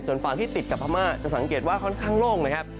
ส่วนฝั่งที่ติดกับพม่าจะสังเกตว่าค่อนข้างโล่งนะครับ